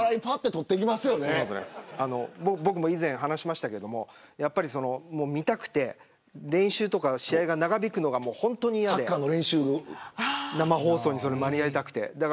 僕も以前、話しましたが見たくて練習とか試合が長引くのが嫌で生放送に間に合いたくて。